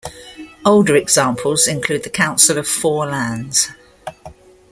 Older examples include the Council of Four Lands.